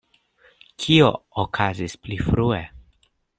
Kio okazis pli frue?